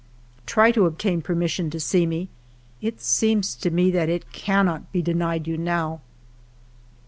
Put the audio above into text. " Try to obtain permission to see me. It seems to me that it cannot be denied you now."